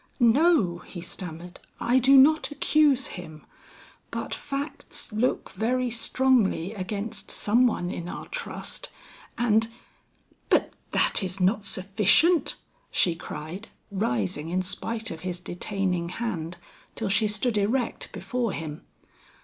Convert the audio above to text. "No," he stammered. "I do not accuse him, but facts look very strongly against some one in our trust, and " "But that is not sufficient," she cried, rising in spite of his detaining hand till she stood erect before him.